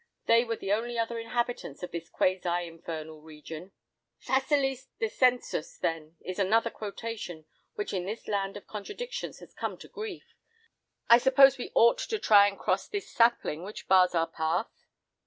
They were the only other inhabitants of this quasi infernal region." "Facilis descensus, then, is another quotation which in this land of contradictions has come to grief. I suppose we ought to try and cross this sapling which bars our path?"